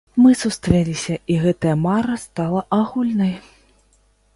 Мы сустрэліся, і гэтая мара стала агульнай.